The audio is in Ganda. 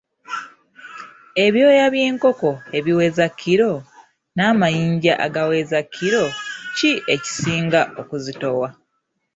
Ebyoya by'enkoko ebiweza kiro n'amayinja agaweza kiro ki ekisinga okuzitowa?